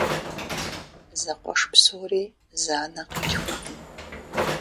Зэкъуэш псори зы анэ къилъхуркъым.